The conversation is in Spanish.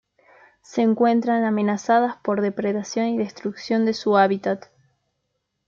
Se encuentran amenazadas por depredación y destrucción de su hábitat.